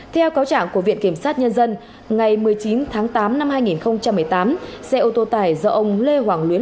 theo cáo trạng của viện kiểm sát nhân dân ngày một mươi chín tháng tám năm hai nghìn một mươi tám xe ô tô tải do ông lê hoàng luyến